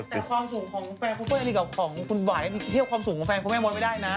แต่ความสูงของแฟนคุณเปิ๊กอะไรอะเราก็ความสุขของแฟนคุณไม่หมดไว้ได้นะ